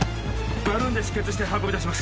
バルーンで止血して運び出します